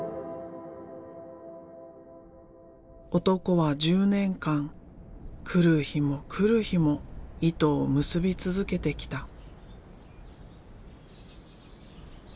男は１０年間来る日も来る日も糸を結び続けてきた。